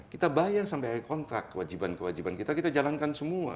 kita bayar sampai akhir kontrak kewajiban kewajiban kita kita jalankan semua